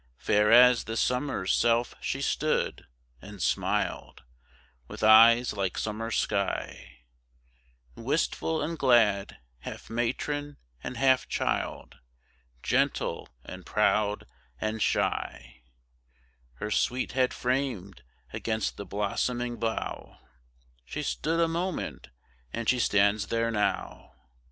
Fair as the summer's self she stood, and smiled, With eyes like summer sky, Wistful and glad, half matron and half child, Gentle and proud and shy; Her sweet head framed against the blossoming bough, She stood a moment, and she stands there now!